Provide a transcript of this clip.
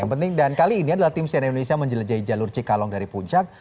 yang penting dan kali ini adalah tim cnn indonesia menjelajahi jalur cikalong dari puncak